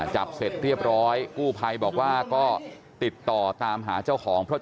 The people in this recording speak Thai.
ขวาเออเดี๋ยวสิพอเบาพอเบาค่ะเอาค่อยเดี๋ยว